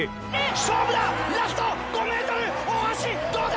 勝負だ！